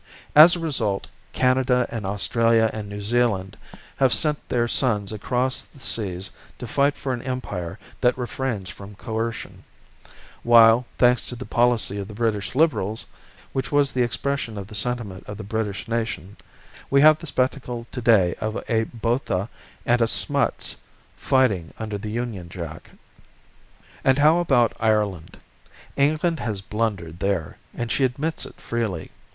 As a result, Canada and Australia and New Zealand have sent their sons across the seas to fight for an empire that refrains from coercion; while, thanks to the policy of the British Liberals which was the expression of the sentiment of the British nation we have the spectacle today of a Botha and a Smuts fighting under the Union Jack. And how about Ireland? England has blundered there, and she admits it freely.